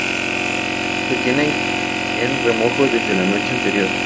Se tienen en remojo desde la noche anterior.